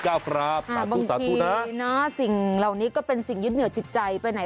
ขอบคุณสาธุนะดีนะสิ่งเหล่านี้ก็เป็นสิ่งยึดเหนียวจิตใจไปไหน